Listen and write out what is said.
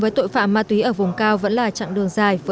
với tội phạm ma túy ở vùng cao vẫn là trạng đường của tội phạm ma túy